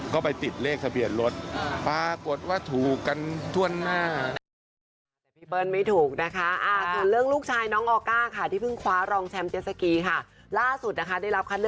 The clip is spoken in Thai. ก็ไปติดเลขทะเบียนรถปรากฏว่าถูกกันทั่วหน้า